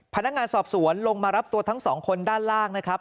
พนักงานสอบสวนลงมารับตัวทั้งสองคนด้านล่างนะครับ